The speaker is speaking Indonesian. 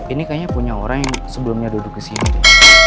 ini kayaknya punya orang yang sebelumnya duduk kesini